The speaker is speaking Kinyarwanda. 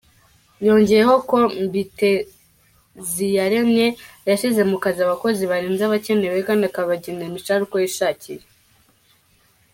Yongeyeho ko Mbiteziyaremye yashyize mu kazi abakozi barenze abakenewe kandi akabagenera imishahara uko yishakiye.